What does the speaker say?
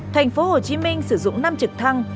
thành phố hồ chí minh sử dụng năm trực thăng